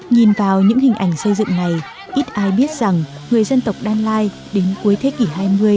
nhìn vào những hình ảnh xây dựng này ít ai biết rằng người dân tộc đan lai đến cuối thế kỷ hai mươi